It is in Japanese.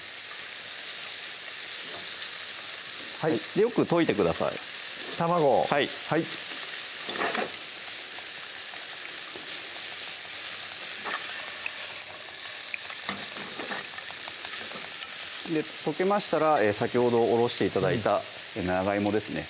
よく溶いてください卵をはい溶けましたら先ほどおろして頂いた長いもですね